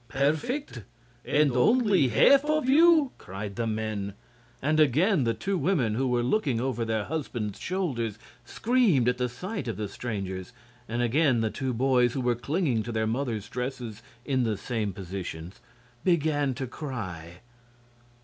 "Perfect! And only half of you!" cried the men. And again the two women, who were looking over their husbands' shoulders, screamed at sight of the strangers; and again the two boys, who were clinging to their mothers' dresses in the same positions, began to cry.